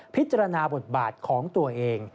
พิจารณาบทบาทของตัวเอง